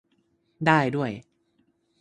ได้ด้วย